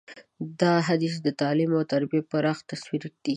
دا حدیث د تعلیم او تربیې پراخه تصویر ږدي.